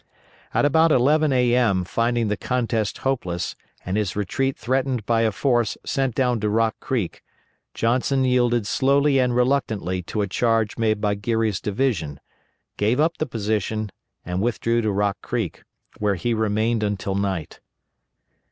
At about 11 A.M., finding the contest hopeless, and his retreat threatened by a force sent down to Rock Creek, Johnson yielded slowly and reluctantly to a charge made by Geary's division, gave up the position and withdrew to Rock Creek, where he remained until night.